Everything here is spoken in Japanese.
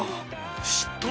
嫉妬？